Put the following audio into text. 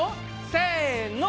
せの！